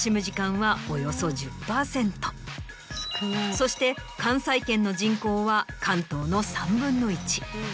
そして関西圏の人口は関東の３分の１。